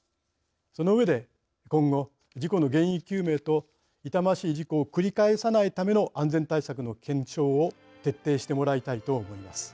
その上で今後事故の原因究明と痛ましい事故を繰り返さないための安全対策の検証を徹底してもらいたいと思います。